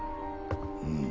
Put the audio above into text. うん。